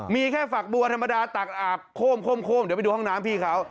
มีแค่ฝักบัวธรรมดาตักอาบโค้มเดี๋ยวไปดูห้องน้ำพี่เขา